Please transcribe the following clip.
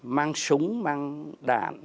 mang súng mang đạn